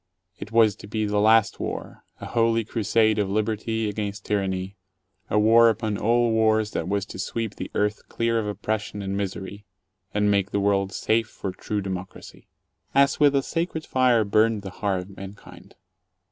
It was to be the last war, a holy crusade of liberty against tyranny, a war upon all wars that was to sweep the earth clear of oppression and misery, and make the world safe for true democracy. As with a sacred fire burned the heart of mankind.